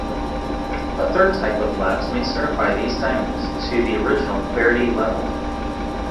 A third type of labs may certify these diamonds to the original clarity level.